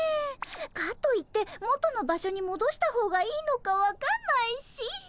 かといって元の場所にもどした方がいいのか分かんないし。